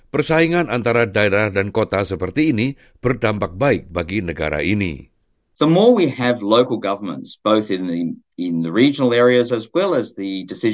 persaingan antara daerah dan kota seperti ini berdampak baik bagi negara ini